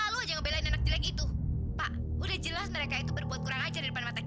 selalu saja berbicara